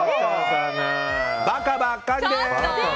馬鹿ばっかりです！